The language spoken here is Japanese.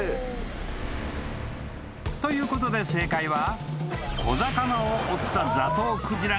［ということで正解は］